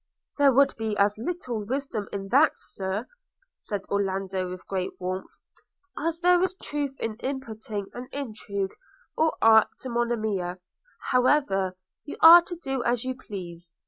'There would be as little wisdom in that, Sir,' said Orlando with great warmth, 'as there is truth in imputing an intrigue or art to Monimia. However, you are to do as you please.'